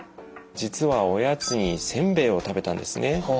実はおやつにせんべいを食べたんですね。